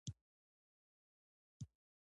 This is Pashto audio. کوډ باید موثر او ګټور وي.